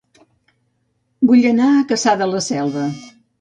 Vull anar a Cassà de la Selva